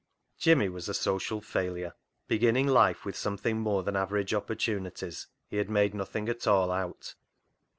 Jimmy was a social failure ; beginning life with something more than average oppor tunities he had made nothing at all out.